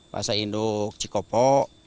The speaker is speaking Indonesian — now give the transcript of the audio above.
pasar induk cikopo